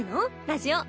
ラジオ。